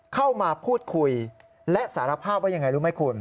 เข้ามาพูดคุยและสารภาพว่ายังไงรู้ไหมคุณ